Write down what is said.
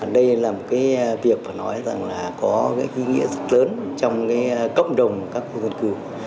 đây là một việc có ý nghĩa rất lớn trong cộng đồng các dân cư